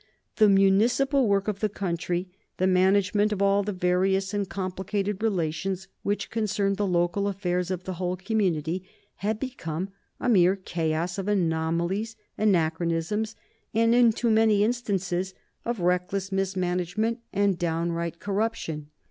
The municipal work of the country, the management of all the various and complicated relations which concerned the local affairs of the whole community, had become a mere chaos of anomalies, anachronisms, and, in too many instances, of reckless mismanagement and downright corruption.